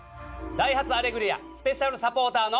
『ダイハツアレグリア』スペシャルサポーターの。